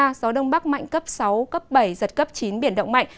gió đông bắc mạnh cấp sáu cấp bảy giật cấp chín biển động mạnh